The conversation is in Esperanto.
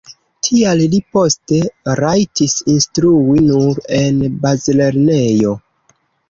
Tial li poste rajtis instrui nur en bazlernejo.